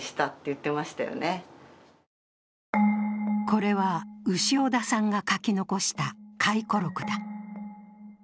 これは潮田さんが書き残した回顧録だ。